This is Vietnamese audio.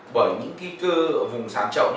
bởi những ký cư ở vùng sàn trậu